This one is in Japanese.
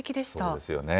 そうですよね。